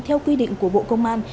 theo quy định của bộ công an